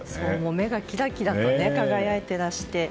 目をキラキラを輝いていらして。